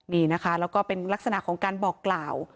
นี่นะคะแล้วก็เป็นลักษณะของการบอกกล่าว